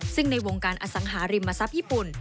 ซึ่งในวงการอสังหาริมทรัพย์ญี่ปุ่น